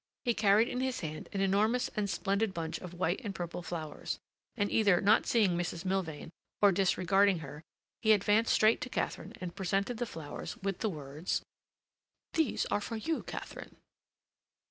He carried in his hand an enormous and splendid bunch of white and purple flowers, and, either not seeing Mrs. Milvain, or disregarding her, he advanced straight to Katharine, and presented the flowers with the words: "These are for you, Katharine."